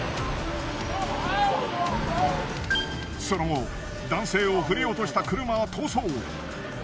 その後男性を振り落とした車は逃走。